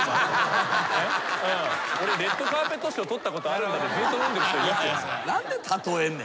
「俺レッドカーペット賞取ったことあるんだ」でずっと飲んでる人いますよね。